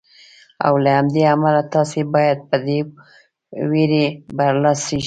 او له همدې امله تاسې باید په دې وېرې برلاسي شئ.